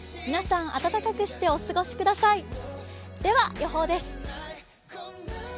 皆さん、暖かくしてお過ごしください。